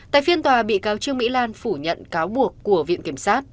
tại phiên tòa bị cáo trương mỹ lan phủ nhận cáo buộc của viện kiểm sát